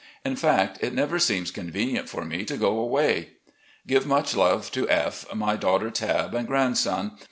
In fact, it never seems convenient for me to go away. Give much love to F , my daughter Tabb, and grandson.